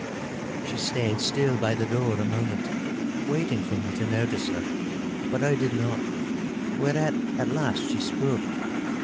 She stayed still by the door a moment, waiting for me to notice her. But I did not, whereat at last she spoke.